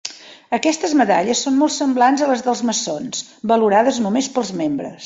Aquestes medalles són molt semblants a les dels maçons, valorades només pels membres.